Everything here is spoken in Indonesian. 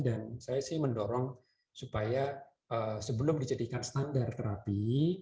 dan saya sih mendorong supaya sebelum dijadikan standar terapi